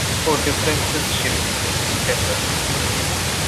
For differences shift, defer.